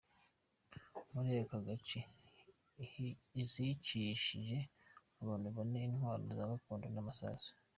Muri aka gace, zicishije abantu bane intwaro za gakondo n’amasasu.